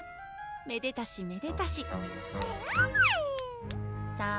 「めでたしめでたし」えるぅさぁ